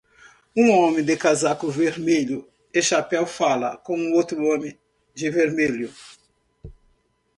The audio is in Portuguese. Um homem de casaco vermelho e chapéu fala com outro homem de vermelho.